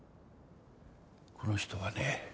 この人はね